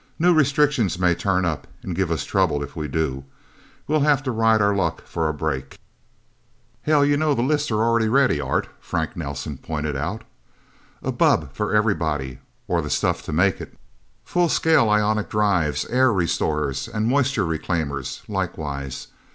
New restrictions may turn up, and give us trouble, if we do. We'll have to ride our luck for a break." "Hell you know the lists are ready, Art," Frank Nelsen pointed out. "A bubb for everybody or the stuff to make it. Full scale ionic drives, air restorers and moisture reclaimers, likewise.